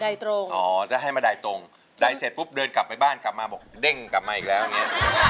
ตรงอ๋อจะให้มาใดตรงใดเสร็จปุ๊บเดินกลับไปบ้านกลับมาบอกเด้งกลับมาอีกแล้วอย่างเงี้ย